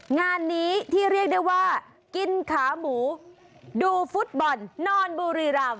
งานนี้ที่เรียกได้ว่ากินขาหมูดูฟุตบอลนอนบุรีรำ